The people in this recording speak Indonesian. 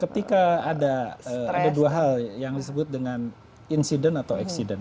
ketika ada dua hal yang disebut dengan insiden atau accident